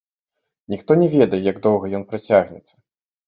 Ніхто не ведае, як доўга ён працягнецца.